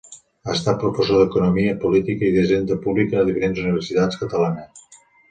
Ha estat professor d'economia política i d'hisenda pública a diferents universitats catalanes.